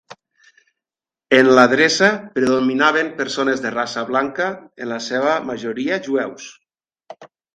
En l'adreça predominaven persones de raça blanca, en la seva majoria jueus.